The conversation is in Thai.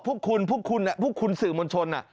พวกคุณผู้คุณสื่อมนชน